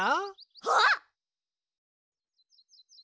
あっ！